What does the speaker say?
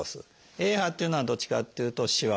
Ａ波っていうのはどっちかっていうとしわを作る。